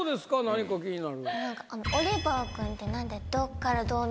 オリバー君って何で。